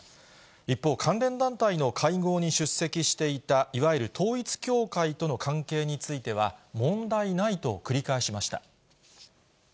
一方、関連団体の会合に出席していた、いわゆる統一教会との関係については、問題ないと繰り返しました。